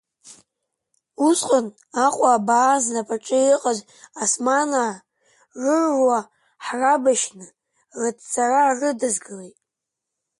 Усҟан, Аҟәа абаа знапаҿы иҟаз османаа рыруаа ҳрабашьны рыҭцара рыдызгалеит.